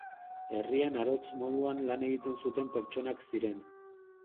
Herrian arotz moduan lan egiten zuten pertsonak ziren.